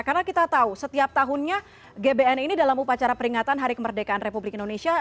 karena kita tahu setiap tahunnya gbn ini dalam upacara peringatan hari kemerdekaan republik indonesia